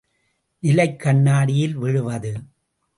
நிலைக் கண்ணாடியில் விழுவது.